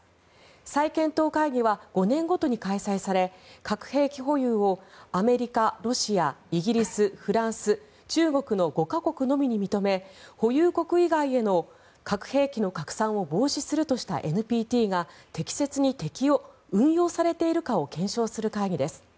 再検討会議は５年ごとに開催され核兵器保有をアメリカ、ロシアイギリス、フランス、中国の５か国のみに認め保有国以外への核兵器の拡散を防止するとしたＮＰＴが適切に運用されているかを検証する会議です。